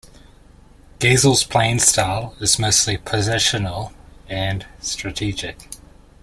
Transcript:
Gausel's playing style is mostly positional and strategic.